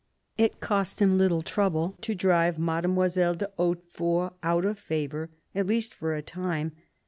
It cost him little trouble to drive Mademoiselle de Hautefort out of favour— at least for a time.